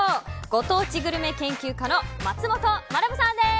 ご当地グルメ研究家の松本学さんです。